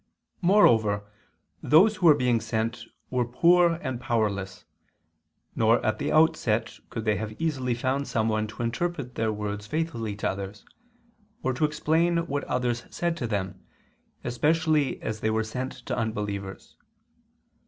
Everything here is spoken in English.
Moreover those who were being sent were poor and powerless; nor at the outset could they have easily found someone to interpret their words faithfully to others, or to explain what others said to them, especially as they were sent to unbelievers.